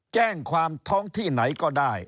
แจ้งความท้องที่ไหนก็ได้